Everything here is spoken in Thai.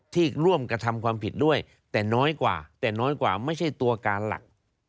ที่ร่วมกระทำความผิดด้วยแต่น้อยกว่าแต่น้อยกว่าไม่ใช่ตัวการหลัก